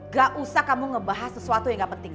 gak usah kamu ngebahas sesuatu yang gak penting